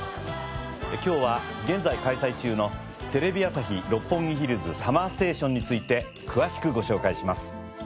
今日は現在開催中のテレビ朝日・六本木ヒルズＳＵＭＭＥＲＳＴＡＴＩＯＮについて詳しくご紹介します。